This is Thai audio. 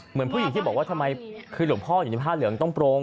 เหมือนผู้หญิงที่บอกว่าทำไมคือหลวงพ่ออยู่ในผ้าเหลืองต้องโปร่ง